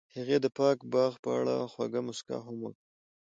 هغې د پاک باغ په اړه خوږه موسکا هم وکړه.